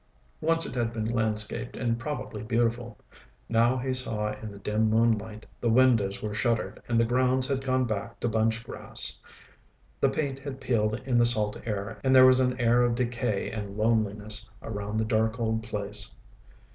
Once it had been landscaped, and probably beautiful. Now, he saw in the dim moonlight, the windows were shuttered and the grounds had gone back to bunch grass. The paint had peeled in the salt air and there was an air of decay and loneliness around the dark old place.